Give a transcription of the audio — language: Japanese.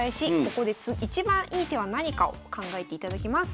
ここで一番いい手は何かを考えていただきます。